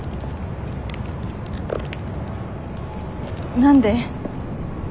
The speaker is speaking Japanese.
何で？